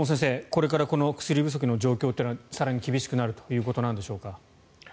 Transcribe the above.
これからこの薬不足の状況は更に厳しくなるということでしょうか？